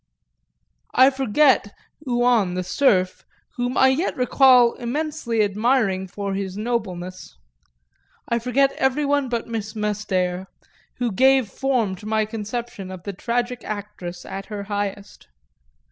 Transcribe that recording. I forget Huon the serf, whom I yet recall immensely admiring for his nobleness; I forget everyone but Miss Mestayer, who gave form to my conception of the tragic actress at her highest.